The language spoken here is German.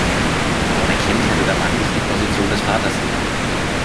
Ohne Kind hätte der Mann nicht die Position des Vaters inne.